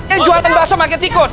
ini jualan bakso pake tikus